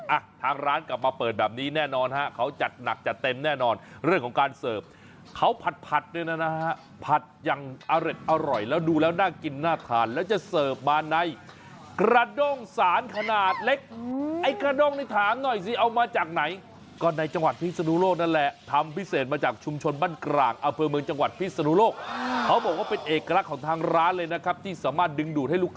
อ่ะทางร้านกลับมาเปิดแบบนี้แน่นอนฮะเขาจัดหนักจัดเต็มแน่นอนเรื่องของการเสิร์ฟเขาผัดผัดด้วยนะฮะผัดอย่างอร่อยแล้วดูแล้วน่ากินน่าทานแล้วจะเสิร์ฟมาในกระด้งสารขนาดเล็กไอ้กระด้งในถางหน่อยสิเอามาจากไหนก็ในจังหวัดพิษนุโลกนั่นแหละทำพิเศษมาจากชุมชนบ้านกลางอเฟอร์เมืองจังห